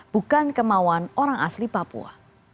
bukan kemauan orang asli papua